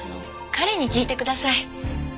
彼に聞いてください。